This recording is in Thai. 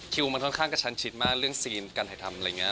มันค่อนข้างกระชันชิดมากเรื่องซีนการถ่ายทำอะไรอย่างนี้